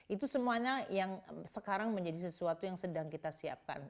itu semuanya yang sekarang menjadi sesuatu yang sedang kita siapkan